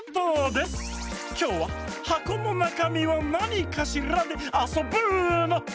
きょうは「はこのなかみはなにかしら？」であそぶの！